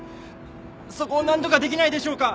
そこを何とかできないでしょうか。